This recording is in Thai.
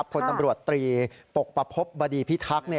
พลตำรวจตรีปกประพบบดีพิทักษ์